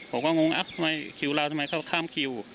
ผมก็งงคิวเราทำไมเขาข้ามคิว